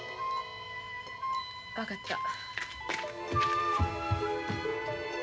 分かった。